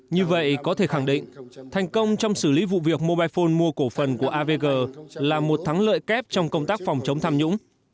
như vậy có thể khẳng định thành công trong xử lý vụ việc mobile phone mua cổ phần của avg là một thắng lợi kép trong công tác phòng chống tham nhũng